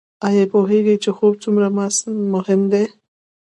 ایا پوهیږئ چې خوب څومره مهم دی؟